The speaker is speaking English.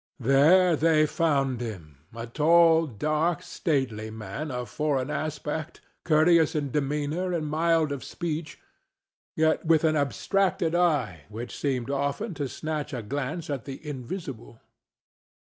There they found him, a tall, dark, stately man of foreign aspect, courteous in demeanor and mild of speech, yet with an abstracted eye which seemed often to snatch a glance at the invisible.